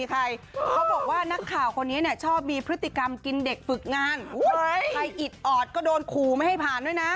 เขาบอกว่านักข่าวคนนี้ชอบมีพฤติกรรมกินเด็กฝึกงานใครอิดออดก็โดนขู่ไม่ให้ผ่านด้วยนะ